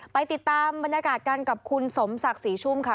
ไปติดตามบรรยากาศกันกับคุณสมศักดิ์ศรีชุ่มค่ะ